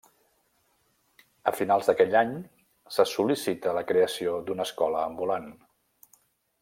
A finals d'aquell any se sol·licita la creació d'una escola ambulant.